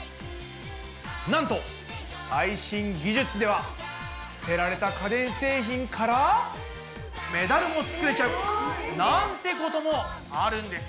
なんと最新技術では捨てられた家電製品からメダルもつくれちゃうなんてこともあるんです！